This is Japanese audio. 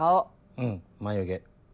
うん眉毛。